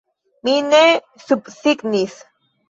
Mi ne subsignis!